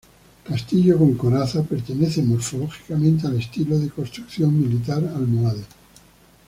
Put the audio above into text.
Castillo con coraza, pertenece morfológicamente al estilo de construcción militar almohade.